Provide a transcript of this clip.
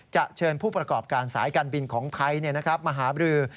เชิญผู้ประกอบการสายการบินของไทยมาหาบรือ